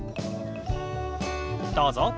どうぞ。